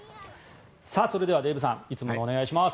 それではデーブさんいつものお願いします。